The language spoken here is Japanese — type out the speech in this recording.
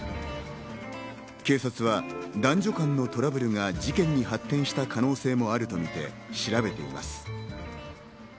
警察は男女間のトラブルが事件に発展した可能性があるとみて調べています。